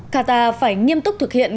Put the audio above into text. qatar phải nghiêm túc thực hiện